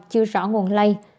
chưa rõ nguồn lây